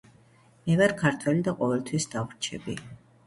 მე ვარ ქართველი და ყოველთის დავრჩები.